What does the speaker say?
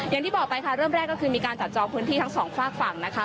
อย่างที่บอกไปค่ะเริ่มแรกก็คือมีการจัดจองพื้นที่ทั้งสองฝากฝั่งนะคะ